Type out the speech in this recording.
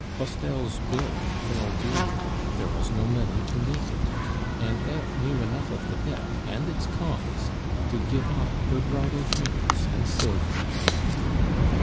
Postel's bill fell due; there was no money to meet it, and Eve knew enough of the debt and its cause to give up her bridal trinkets and silver.